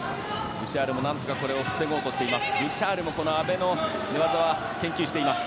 ブシャールも何とかこれは防ごうとしています。